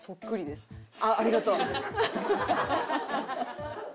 あっありがとう。